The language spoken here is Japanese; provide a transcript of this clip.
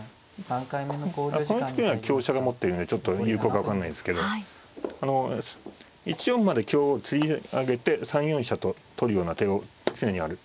この局面は香車が持ってるのでちょっと有効か分かんないですけど１四まで香をつり上げて３四飛車と取るような手を常にある。